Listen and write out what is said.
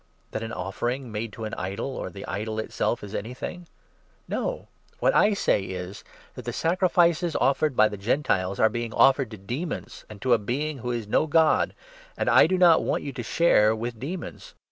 That an offering made to an idol, or the idol itself, is anything ? No ; what 1 say is that the sacrifices offered by 20 the Gentiles ' are offered to demons and to a Being who is no God,' and I do not want you to share with demons.